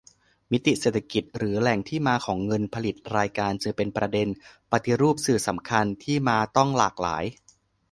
มิติเศรษฐกิจหรือแหล่งที่มาของเงินผลิตรายการจึงเป็นประเด็น ปฏิรูปสื่อ สำคัญ ที่มาต้องหลากหลาย